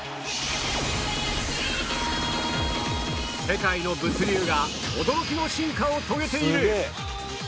世界の物流が驚きの進化を遂げている！